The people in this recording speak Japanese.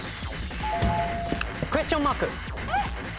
クエスチョンマーク。